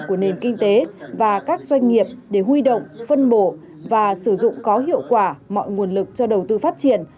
của nền kinh tế và các doanh nghiệp để huy động phân bổ và sử dụng có hiệu quả mọi nguồn lực cho đầu tư phát triển